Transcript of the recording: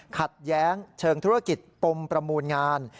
ขัดแย้งเชิงธุรกิจปมประมูลงาน